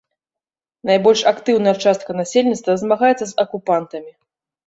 Найбольш актыўная частка насельніцтва змагаецца з акупантамі.